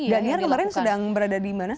dan yang kemarin sedang berada di mana